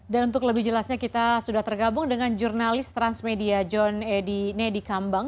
dan untuk lebih jelasnya kita sudah tergabung dengan jurnalis transmedia john edi nedi kambang